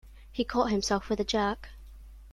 He caught himself with a jerk.